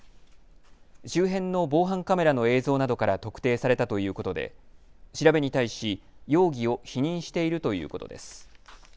周辺の防犯カメラの映像などから特定されたということで調べに対し容疑を否認しているということです。